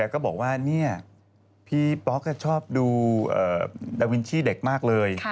ก็บอกว่าพี่ป๊อกชอบดูดาวินชี่เด็กมากเลย